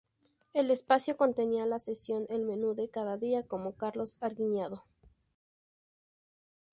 El espacio contenía la sección "El menú de cada día", con Karlos Arguiñano.